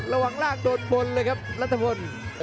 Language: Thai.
ระวังล่างโดดบนเลยครับรัฐพนธ์